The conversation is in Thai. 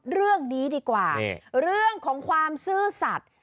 เรื่องนี้ดีกว่าเรื่องของความซื่อสัตว์